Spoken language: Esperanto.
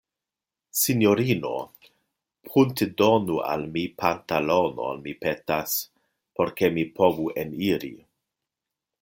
Sinjorino, pruntedonu al mi pantalonon, mi petas, por ke mi povu eniri.